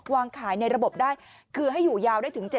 วางขายในระบบได้คือให้อยู่ยาวได้ถึง๗๐